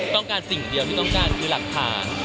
สิ่งเดียวที่ต้องการคือหลักฐาน